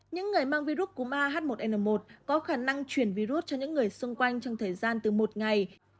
những người mang virus cúm a h một n một có khả năng truyền virus cho những người xung quanh trong thời gian từ một ngày